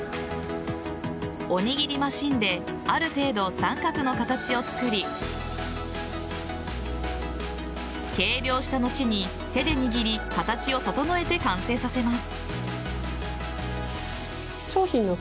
おにぎりマシンである程度、三角の形を作り計量した後に、手で握り形を整えて完成させます。